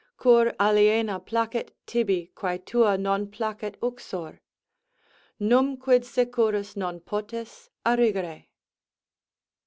Cur aliéna placet tibi, quæ tua non placet uxor? Numquid securus non potes arrigere?